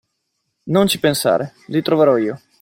Non ci pensare, li troverò io.